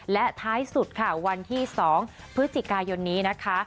และท้ายสุดค่ะวันที่๒พฤศจิกายนนี้นะคะ